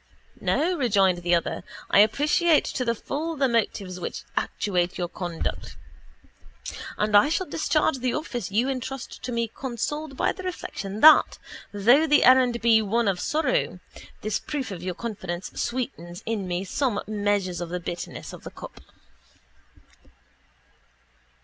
—No, rejoined the other, I appreciate to the full the motives which actuate your conduct and I shall discharge the office you entrust to me consoled by the reflection that, though the errand be one of sorrow, this proof of your confidence sweetens in some measure the bitterness of the cup.